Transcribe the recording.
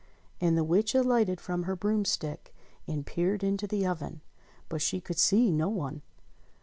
And the witch alighted from her broomstick and peered into the oven : but she could see no one.